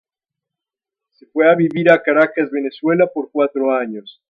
Se fue a vivir a Caracas, Venezuela, por cuatro años.